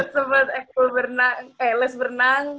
sempet ekol berenang eh les berenang